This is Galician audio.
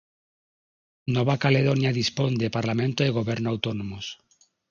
Nova Caledonia dispón de parlamento e goberno autónomos.